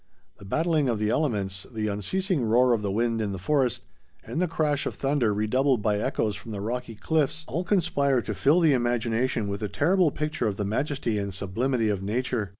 The battling of the elements, the unceasing roar of the wind in the forest, and the crash of thunder redoubled by echoes from the rocky cliffs,—all conspire to fill the imagination with a terrible picture of the majesty and sublimity of nature.